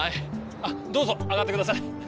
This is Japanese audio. どうぞ上がってください。